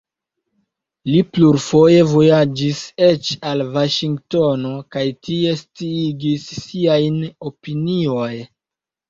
Li plurfoje vojaĝis eĉ al Vaŝingtono kaj tie sciigis siajn opinioj.